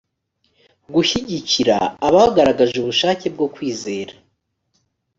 gushyigikira abagaragaje ubushake bwo kwizera